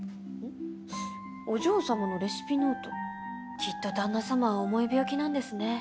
きっと旦那様は重い病気なんですね。